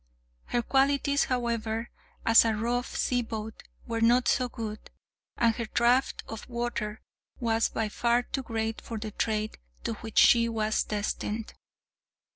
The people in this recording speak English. Her qualities, however, as a rough sea boat, were not so good, and her draught of water was by far too great for the trade to which she was destined.